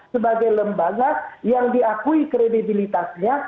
sebagai lembaga yang diakui kredibilitasnya